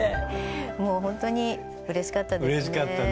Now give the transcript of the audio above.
もうほんとにうれしかったですね。